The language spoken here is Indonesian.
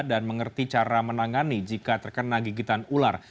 dan mengerti cara menangani jika terkena gigitan ular